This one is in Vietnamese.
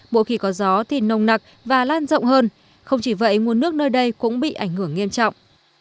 mỗi khi có gió thì nồng nặc và lan rộng hơn không chỉ vậy nguồn nước nơi đây cũng bị ảnh hưởng nghiêm trọng